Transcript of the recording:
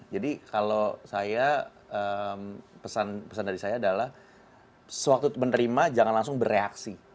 jadi kalau saya pesan dari saya adalah sewaktu menerima jangan langsung bereaksi